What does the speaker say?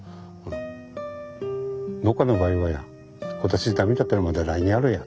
農家の場合はや今年駄目だったらまた来年あるやと。